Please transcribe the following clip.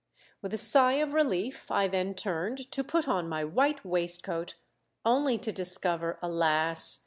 With a sigh of relief I then turned to put on my white waistcoat, only to discover, alas!